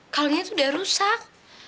kalinya tuh udah rusak